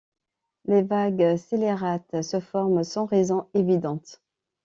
Les vagues scélérates se forment sans raison évidente.